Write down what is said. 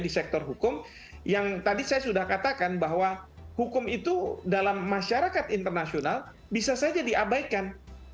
di sektor hukum yang tadi saya sudah katakan bahwa hukum itu dalam masyarakat internasional bisa saja diabaikan